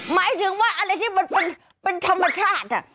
หมายถึงว่าอะไรที่มันเป็นธรรมชาติ